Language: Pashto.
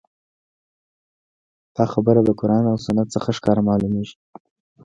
دا خبره د قران او سنت څخه ښکاره معلوميږي